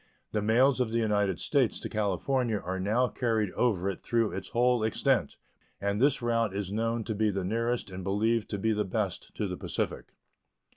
The mails of the United States to California are now carried over it throughout its whole extent, and this route is known to be the nearest and believed to be the best to the Pacific.